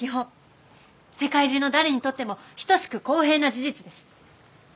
世界中の誰にとっても等しく公平な事実です。